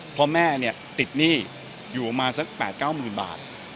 เพราะแม่ติดหนี้อยู่ออกมาสัก๘๙หมื่นบาท